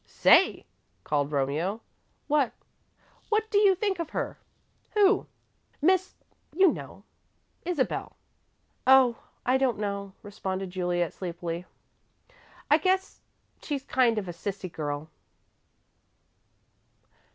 "Say," called Romeo. "What?" "What do you think of her?" "Who?" "Miss you know. Isabel." "Oh, I don't know," responded Juliet, sleepily. "I guess she's kind of a sissy girl."